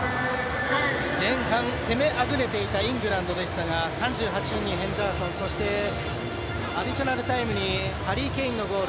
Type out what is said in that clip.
前半、攻めあぐねていたイングランドですがヘンダーソンそしてアディショナルタイムにハリー・ケインのゴール。